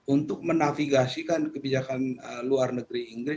untuk menafigasikan kebijakan luar negeri inggris